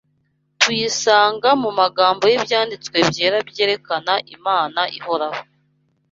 tuyisanga mu magambo y’Ibyanditswe Byera byerekana “Imana Ihoraho.”